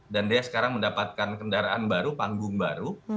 dan dia sekarang mendapatkan kendaraan baru panggung baru